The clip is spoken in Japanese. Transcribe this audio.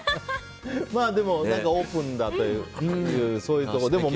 でもオープンだというそういうところ。